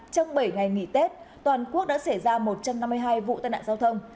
trong bảy ngày nghỉ tết toàn quốc đã xảy ra một trăm năm mươi hai vụ tai nạn giao thông